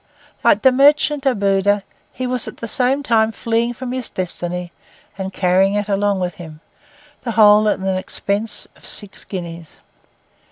Like the merchant Abudah, he was at the same time fleeing from his destiny and carrying it along with him, the whole at an expense of six guineas.